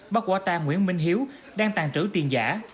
bác quả tà nguyễn minh hiếu đang tàn trữ tiền giả